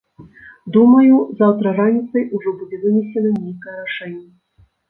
Думаю, заўтра раніцай ужо будзе вынесенае нейкае рашэнне.